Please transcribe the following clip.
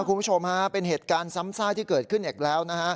คุณผู้ชมฮะเป็นเหตุการณ์ซ้ำซากที่เกิดขึ้นอีกแล้วนะฮะ